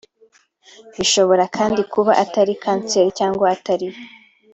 bishobora kandi kuba ari kanseri cyangwa atari yo